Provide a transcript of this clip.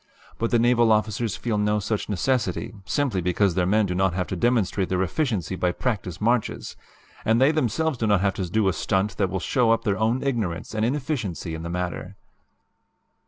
But the naval officers feel no such necessity, simply because their men do not have to demonstrate their efficiency by practice marches, and they themselves do not have to do a stunt that will show up their own ignorance and inefficiency in the matter.